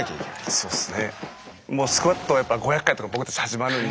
そうですね。